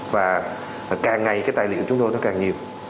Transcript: và càng ngày cái tài liệu chúng tôi nó càng nhiều